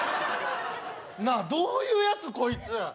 なあ、どういうやつ、こいつ？